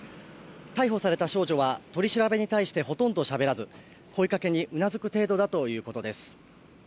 逮捕された少女は取り調べに対してほとんどしゃべらず声掛けに頷く程度だということです